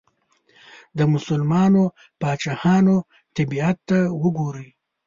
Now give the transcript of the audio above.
د مسلمانو پاچاهانو طبیعت ته وګورئ.